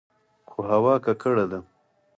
خو هوا ککړه ده.